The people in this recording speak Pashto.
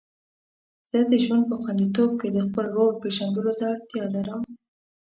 زه د ژوند په خوندیتوب کې د خپل رول پیژندلو ته اړتیا لرم.